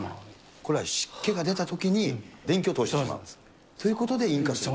これは湿気が出たときに電気を通してしまう、ということで引火しちゃう。